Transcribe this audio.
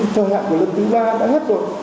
thời hạn của lần thứ ba đã hết rồi